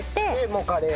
もうカレー？